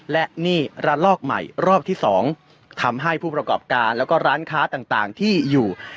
และนี่ระลอกใหม่รอบที่๒ทำให้ผู้ประกอบการแล้วก็ร้านค้าต่างที่อยู่